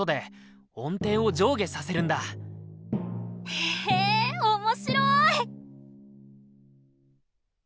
へえ面白い！